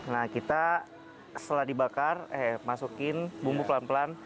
nah kita setelah dibakar eh masukin bumbu pelan pelan